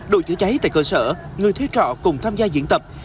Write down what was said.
đội chữa cháy tại cơ sở người thuê trọ cùng tham gia diễn tập